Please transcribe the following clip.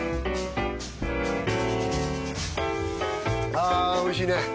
あーおいしいね